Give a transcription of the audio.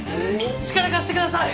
力貸してください！